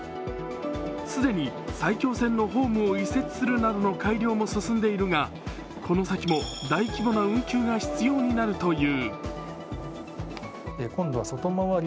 既に、埼京線のホームを移設するなどの改良工事も行われているがこの先も大規模な運休が必要になるという。